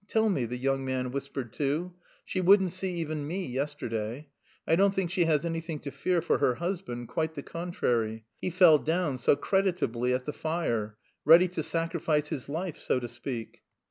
Tell me," the young man whispered too. "She wouldn't see even me yesterday. I don't think she has anything to fear for her husband, quite the contrary; he fell down so creditably at the fire ready to sacrifice his life, so to speak."